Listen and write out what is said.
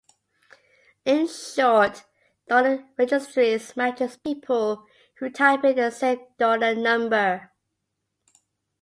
In short, donor registries matches people who type in the same donor number.